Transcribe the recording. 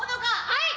はい。